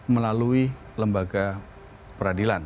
melalui lembaga peradilan